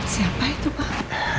siapa itu pak